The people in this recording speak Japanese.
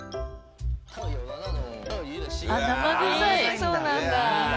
そうなんだ。